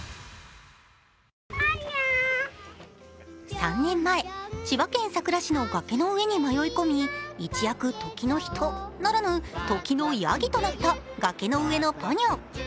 ３年前、千葉県佐倉市の崖の上に迷い込み一躍時の人ならぬ時のヤギとなった崖の上のポニョ。